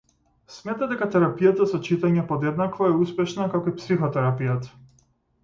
Смета дека терапијата со читање подеднакво е успешна како и психотерапијата.